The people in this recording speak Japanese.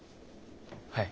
はい。